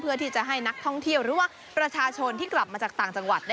เพื่อที่จะให้นักท่องเที่ยวหรือว่าประชาชนที่กลับมาจากต่างจังหวัด